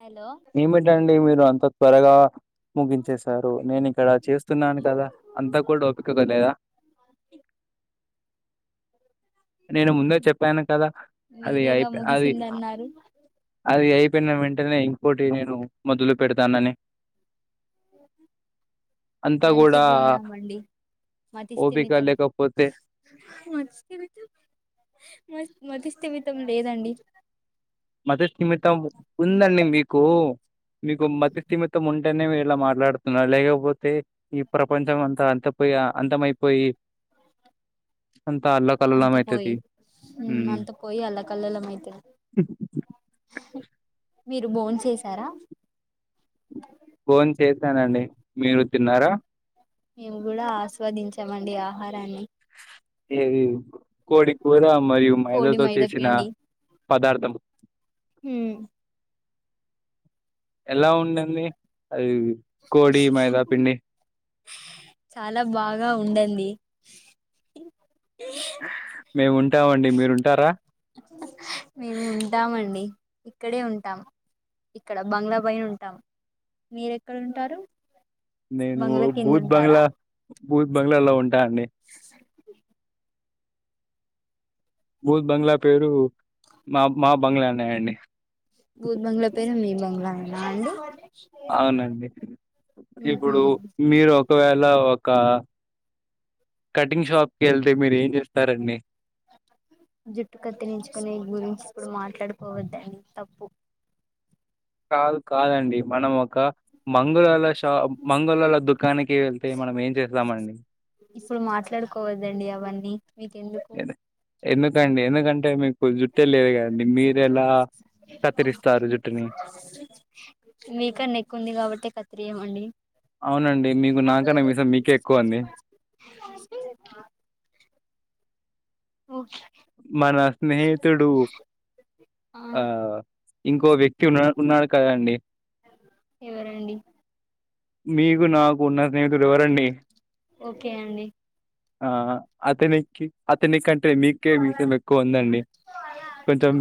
Hello ఏమిటండి మీరు అంత త్వరగా ముగించేసారు నేను ఇక్కడ చేస్తున్నాను కదా అంతా కూడా ఓపికగా లేదా ఇ నేను ముందే చెప్పాను కదా అది మీరేగా ఐపే అది ముగిసిందన్నారు అది అయిపోయిన వెంటనే ఇంకోటి నేను మొదులు పెడుతానని అంతా కూడా మరిచిపోయామండి ఓపిక లేకపోతే మస్వితం మ మతిస్థిమితం లేదండి మతిస్థిమితం ఉందండి మీకు మీకు మతిస్థిమితం ఉంట్ ఉంటేనే మీరు ఇలా మాట్లాడుతున్నా లేకపోతే ఈ ప్రపంచం అంతా అంత పోయి అంతమైపోయి అంత అల్ల అంత పోయి అంత పోయి అల్లా కల్లోలం అయితా ఇ [inaudible] మీరు బోన్ చేసారా? బోన్ చేసానండి మీరు తిన్నారా? మేము కూడా ఆస్వాదించామండి ఆహారాన్ని ఏది కోడి కూర మరియు కోడి మైదాతో చేసిన మైదపిండి పదార్థం హు ఎలా ఉందండి అది కోడి, మైదాపిండి చాలా బాగా ఉండంది మేము ఉంటా మండి మీరు ఉంటారా? మేము ఉంటామండి ఇక్కడే ఉంటాం ఇక్కడ బంగ్లా పైన ఉంటాం మీరు ఎక్కడుంటారు? నేను బూత్ బంగ్లా బూత్ బంగ్లాలో ఉంటా అండి బూత్ బంగ్లా పేరు మా మా బంగ్లానే అండి భూత్ బంగ్లా పేరు మీ బంగ్లా యేనా అండి అవునండి ఉహు ఇప్పుడు మీరు ఒక్ ఒకవేళ ఒక కటింగ్ షాప్ కి వెళ్తే మీరు ఏం చేస్తారండి? [unintelligible] ని జుట్టు కత్తిరించుకుని గురించి ఇప్పుడు మాట్లాడుకోవద్దండి తప్పు కాదు కాదండి మనం ఒక మంగళోల షా మంగళోల దుకానికి వెళ్తే మనం ఏం చేస్తామండి? ఇప్పుడు మాట్లాడుకోవదండి అవన్నీ మీకెందుకు ఎన్- ఎందుకండి ఎందుకంటే మీకు జుట్టే లేదు కదండి మీర ఎలా కత్తిరిస్తారు జుట్టుని [inaudible] మీకన్నా ఎక్కువ ఉంది కాబట్టి కత్రీయమండి అవునండి మీకు నాకన్నా మీసం మీకే ఎక్కువ అండి [inaudible] ఓ మన స్నేహితుడు ఆ ఇంకో వ్యక్తి ఉన్నా ఉన్నాడు కదండి ఎవరండి మీకు నాకు ఉన్న స్నేహితుడు ఎవరండి ఓకే అండి ఆ అతనికి అతని కంటే మీకు కే మీసం ఎక్కువ ఉందండి కొంచెం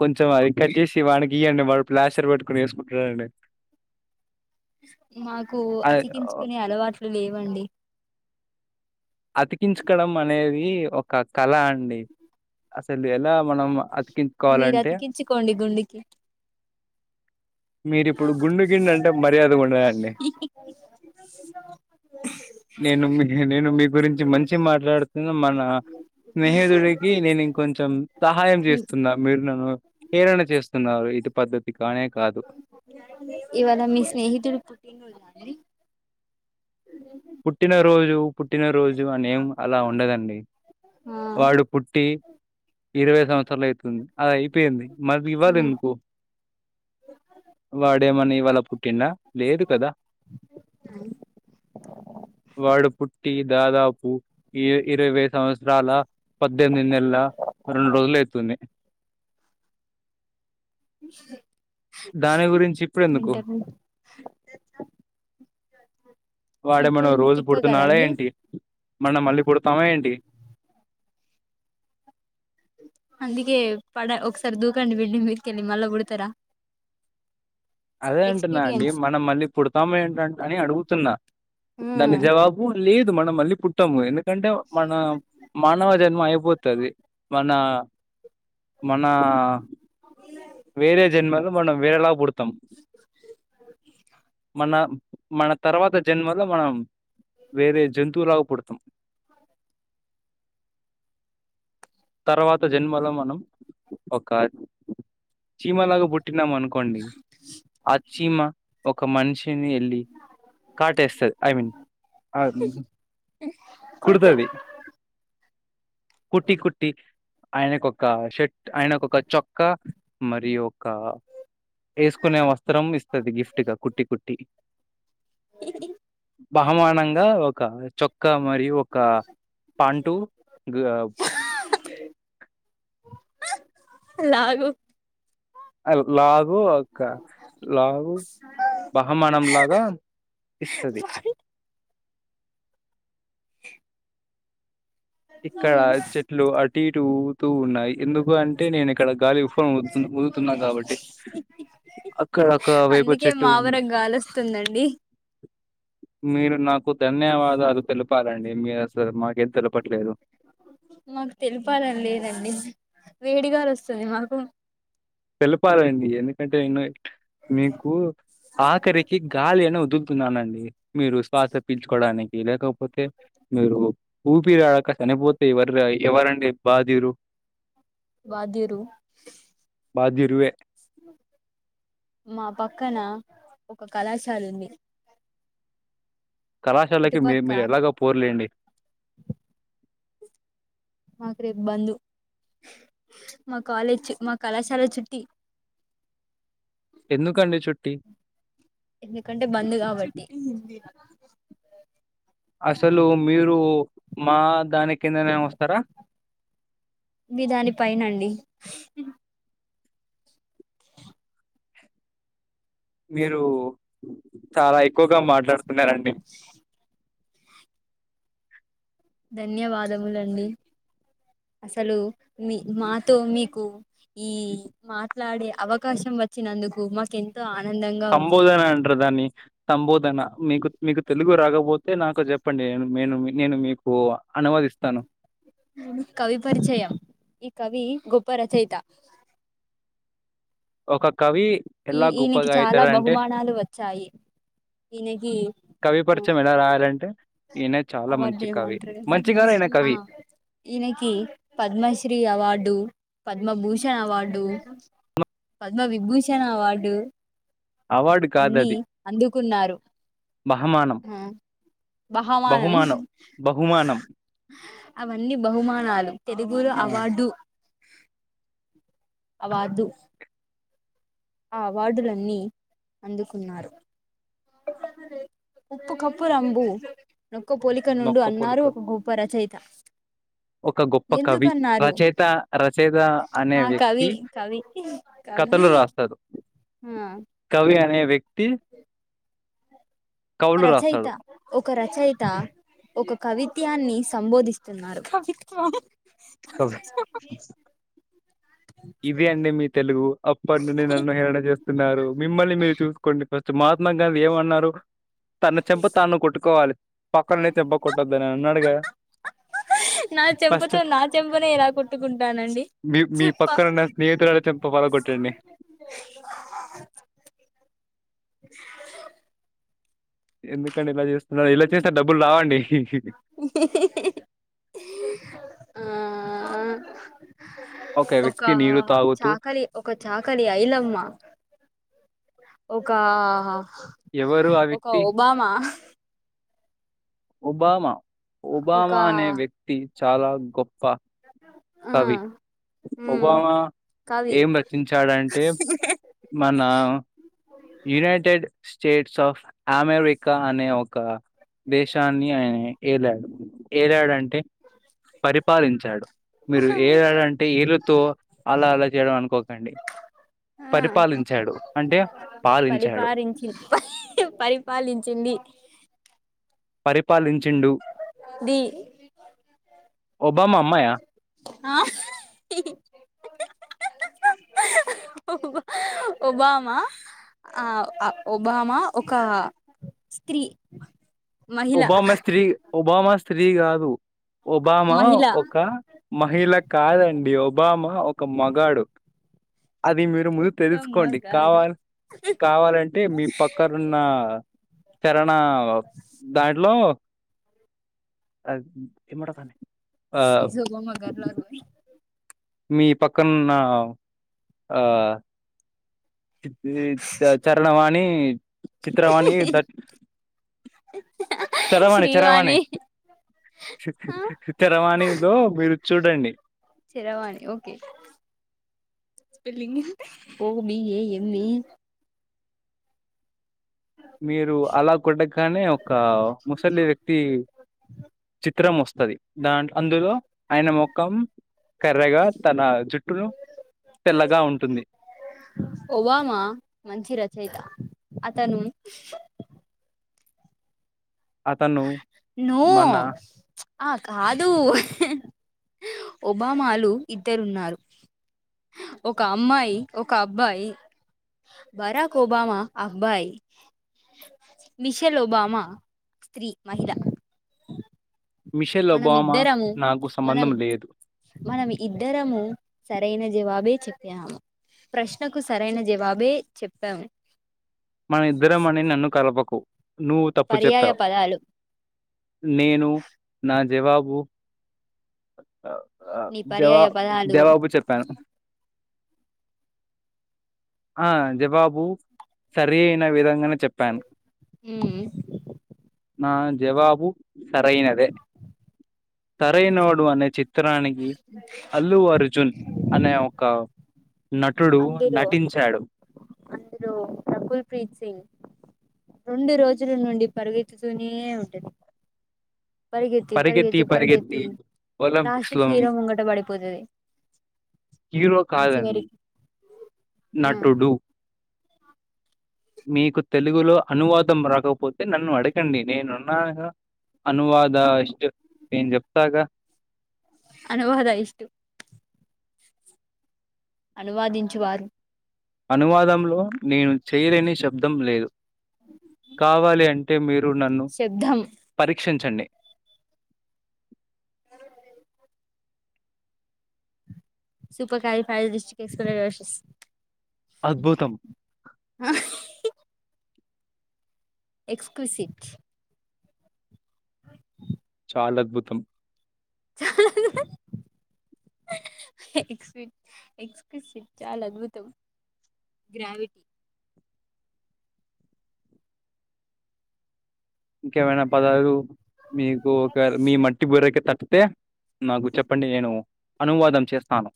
కొ చం అది కట్ చేసి వాడికి ఇయ్యండి వాడు ప్లాస్టర్ పెట్టుకుని వేసుకుంటాడండి మాకు ఆహ్, అతికించుకునే అలవాట్లు లేవండి అతికించుకోవడం అనేది ఒక కళ అండి అసలు ఎలా మనం మీరు అతికించుకోవాలంటే అతికించుకోండి గుండు కి మీరిప్పుడు గుండు గిండు అంటే మర్యాదగ ఉండదండి ఎ [inaudible] ఓ [inaudible] నేను మీ నేను మీ గురించి మంచిగ మాట్లాడుతున్న మన స్నేహితుడికి నేను ఇంకొంచెం సహాయం చేస్తున్న మీరు నన్ను హేలన చేస్తున్నారు ఇది పద్ధతి కానే కాదు ఇవాళ మీ స్నేహితుడు పుట్టినరోజ అండి పుట్టిన రోజు పుట్టిన రోజు అనిం అలా ఉండదండి ఆ వాడు పుట్టి ఇరవై సంవత్సరాలు అయితే ది అది అయిపోయింది మరి ఇవ్వాల ఎందుకు వాడేమన ఇవాళ పుట్టిండ లేదు కదా వాడు పుట్టి దాదాపు ఇరవై సంవత్సరం రాల పద్దెనిమిది నెల్ల రెండు రోజులు అయితుంది దాని గురించి ఇప్పుడెందుకు? ఏంటి అది వాడేమన రోజు పుడుతున్నాడ కదండి ఏంటి మనం మళ్ళీ పుడతామ ఏంటి అందుకే పడ ఒకసారి దూకండి మిడ్డీ మిట్కెలి మళ్ళ పుడతారా అదే అంటునా అండి ఎక్స్పీరియన్స్ మనం మళ్ళీ పుడతామ ఏంటంట అని అడుగుతున్నా దాని జవాబు లేదు మనం మళ్ళీ పుట్టము ఎందుకంటే మన మానవ జన్మ అయిపోతది మన మన వేరే జన్మలో మనం వేరేలాగా పుడతాం మన మన తర్వాత జన్మలో మనం వేరే జంతువులాగా పుడతాం తర్వాత జన్మలో మనం ఒక చీమ లాగా పుట్టినాం అనుకోండి ఆ చీమ ఒక మనిషిని వెళ్ళి కాటేస్తది ఐ మీన్ కుడుతది కుట్టి కుట్టి ఆయనకి ఒక షర్ట్ ఆయనకి ఒక చొక్క మరియు ఒక ఎసుకునే వస్త్రం ఇస్తది గిఫ్ట్గా కుట్టి కుట్టి బహుమానంగా ఒక చొక్క మరియు ఒక పాన్ంటూ గా లాగు అ లాగుూ ఆగ్ ఇగ లాగు బహుమానం లాగా ఇస్తది ఇక్కడ చెట్లు అటు ఇటుతూ ఉన్నాయి ఎందుకు అంటే నేను ఇక్కడ గాలి ఉఫనీ ఊదుతున్న ఉ తున్నా కాబట్టి అక్కడ ఒక వేప అందుకే చెట్టు ఉంది. మావరకు గాలిొస్తుందండి మీరు నాకు ధన్యవాదాలు తెలపాలండి మీరు అసలు మాకేం తెలప్ పట్లేదు మాకు తెలిపాలని లేదండి వేడిగాలు వస్తుంది మాకు తెలపాలండి ఎందుకంటే న మీకు ఆఖరికి గాలి అనా ఓదు తున్నానండి మీరు శ్వాస పిల్చుకోవడానికి లేక పోతే మీరు ఊపిరా ఆడక చనిపోతే ఎవరుది ఎవరండి బాదిలు వాద్యురు బాధ్యురుయే మా పక్కన ఒక కళాశాల ఉంది కళాశాలకి మీ ఇటుపక్క మీరు ఎలాగో పోర్లేండి మాక రేపు బందు మా కాలేజ్ మా కళాశాల చుట్టి ఎందుకండి చుట్టి ఎందుకంటే బంద్ కాబట్టి అసలు మీరు మా దాని కిందనే వస్తారా మీదాని పైనండి మీరు చాలా ఎక్కువగా మాట్లాడుతున్నారండి ధన్యవాదములండి అసలు మీ మాతో మీకు ఈ మాట్లాడే అవకాశం వచ్చినందుకు మాకె తో ఆనందంగా ఉంది సంబోదనంటదాన్ని సంబోధన మీకు మీకు తెలుగు రాకపోతే నాకు చెప్పండి న నేను నేను మీకు అనువాదిస్తాను కవి పరిచయం ఈ కవి గొప్ప రచయిత ఒక కవి ఈ ఎలా ఈనకి గొప్పగా చాలా అయితాడు అంటే బహుమానాలు వచ్చాయి ఈనకి కవి పరిచయం ఎలా రాయాలంటే ఈయన చాలా మంచి అవార్డ్నేమో కవి. అంటారు కదా మంచిగానే ఈయన ఆ కవి. ఈయనకి Padma Shri award Padma Bhushan award Padma Vibhushan award award అన్ని కాదది. అందుకున్నారు బహమానం. ఆ బహామానం బహుమానం. బహుమానం. బహుమానం. అవన్నీ బహుమానాలు తెలుగులో ఆ! అవార్డు అవదు ఆ అవార్డులన్నీ అందుకున్నారు. ఉప్పు కప్పు రంబు నొక్క పోలిక నుండు నొక్క అన్నారు పలుకు. ఒక గొప్పు. గొప్ప రచయిత ఒక గొప్ప కవి ఎందుకన్నారు రచయిత రచయిత అనే ఆ వ్యక్తి. కవి కవి కథలు కవి రాస్తారు. ఆ కవి అనే వ్యక్తి. కవులు రచయిత. రాస్తాడు. ఒక రచయిత ఒక కవిత్యాన్ని సంబోధిస్తున్నారు. కవి ఇదే అండి మీ తెలుగు అప్పటి నుండి నన్ను హేరళన హేళన చేస్తున్నారు మిమ్మల్ని మీరు చూసుకోండి ఫస్ట్ మహాత్మా గాంధీ ఏమన్నారు. తన చెంప తను కొట్టుకోవాలి పక్కననే చెంప కొట్టొద్దని అన్నాడుగా. నా చెంపతో నా చెంపనే ఎలా కొట్టుకుంటానండి చెప్ప. నా స్నేహితురల చంప పగలగొట్టండి ఎందుకండి ఇలా చేస్తున్నారు ఇలా చేస్తే డబ్బులు రావండి. ఇ ఇ ఇ ఆ ఒక వ్యక్తి నీరు తాగుతూ చాకలి. ఒక చాకలి ఐలమ్మ ఒక. ఎవరు ఆ ఒక వ్యక్తి ఒబామా. ఒబామా ఒక ఒబామా అనే వ్యక్తి చాలా గొప్ప. ఆ కవి ఉమ్ ఒబామా కవి ఏం రచించాడంటే. మన యునైటెడ్ స్టేట్స్ ఆఫ్. అమెరికా అనే ఒక దేశాన్ని ఆయన ఏలాడు ఏలాడంటే. పరిపాలించాడు. మీరు ఏడంటే ఏళ్లతో అలా అలా చేయడం అనుకోకండి. ఆ పరిపాలించాడు అంటే. పాలించాడు. పరిపాలించి ప పరిపాలించింది. పరిపాలించిండు. ది ఒబామా అమ్మాయా? ఆ. బ ఒబామా ఆ ఒబామా ఒక స్త్రీ. మహిళ ఒబామా స్త్రీ ఒబామా స్త్రీ కాదు ఒబామా మహిళ ఒక మహిళ కాదండి ఒబామా ఒక మగాడు అది మీరు ముందు ఒక్క తెలుసుకోండి మగాడు కావాలి కావాలంటే మీ పక్కనున్న చరణ దాంట్లో ఎ మాట తానే ఇ ఒబామా గర్ల్ అని ఉంది మీ పక్కన్న ఆ చి చ చణవాణి చిత్రవాణి దట్ ఉ హు చరవాణి చరవాణి ఆ చరవాణిలో మీరు చూడండి శరవాణి ఓకే స్పెల్లింగ్ పో మీయ ఎన్ని మీరు అలా కొట్టగానే ఒక ముసలి వ్యక్తి చి చిత్రం వస్తది దా అందులో ఆయన మొఖం కర్రగా తన జుట్టును తెల్లగా ఉంటుంది ఒబమా మంచి రచయిత అతను అతను ను మన ఆ కాదు ఒబామాలు ఇద్దరు ఉన్నారు ఒక అమ్మాయి ఒక అబ్బాయి బరాక్ ఓబామా అబ్బాయి మిషెల్ ఓబమా స్త్రీ మహిళ మిషెల్ మనం ఒబామా ఇద్దరము నాకు మనం సంబంధం లేదు మనం ఇద్దరము సరైన జవాబే చెప్పాము ప్రశ్నకు సరైన జవాబే చెప్పాము మన ఇద్దరం అని నన్ను కలపకు నువ్వు తప్పు పర్యాయ చెప్పావు పదాలు నేను నా జవాబు నీ జవా పర్యాయ పదాలు జవాబు చెప్పాను ఆ జవాబు సరి అయిన విధంగానే చెప్పాను. ఉమ్ నా జవాబు సరైన తరైనోడు అనే చిత్రనికి అల్లు అర్జున్ అనే ఒక నటుడు నటించాడు హీరో రకుల్ ప్రీత్ సింగ్ రెండు రోజుల నుండి పరుగెత్తుతూనే ఉంటది పరిగెత్తి పరిగెత్తి పరిగెత్తి ఒలింపిక్స్ లాస్ట్క్ లో హీరో ముంగట పడిపోతది హీరో ఆ కాదండి చివరికి ఆ నటుడు మీకు తెలుగులో అనువాదం రాకపోతే నన్ను అడగండి నేనున్నాగా అనువద ఇష్ట నేన్ చెప్తాగ అనువాద ఇష్ టు అనువాదించు వారు అనువాదంలో నేను చేయలేని శబ్దం లేదు కావాలి అంటే మీరు నన్ను శబ్దం పరీక్షించండి సూపర్ కాలిఫైడ్ రిషికేశారా అద్భుతం ఆ ఎక్స్క్లూసివ్ అ చాలా అద్భుతం చాల ఎక్క్సివ్ చాలా అద్భుతం గ్రావి ఇంకేమైనా పదాలు మీకు ఒక మీ మట్టి బురకి తట్తే నాకు చెప్పండి నేను అనువాదం చేస్తాను